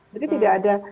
jadi tidak ada